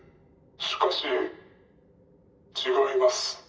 しかし違いマス。